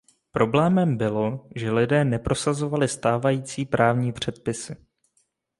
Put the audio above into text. Problémem bylo, že lidé neprosazovali stávající právní předpisy.